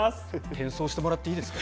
転送してもらっていいですか？